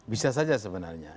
bisa saja sebenarnya